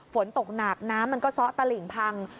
ฝนตกหนักน้ำมันก็ซ่อตะหลิ่งพัง